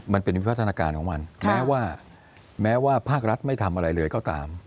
มันเป็นวิพัฒนาการของมันแม้ว่าแม้ว่าภาครัฐไม่ทำอะไรเลยก็ตาม